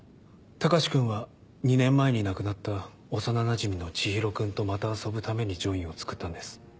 隆君は２年前に亡くなった幼なじみのちひろ君とまた遊ぶために『ジョイン』を作ったんです。